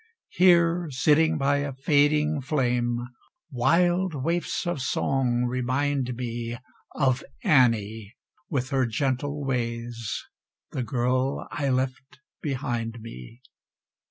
Here sitting by a fading flame, wild waifs of song remind me Of Annie with her gentle ways, the Girl I left behind me.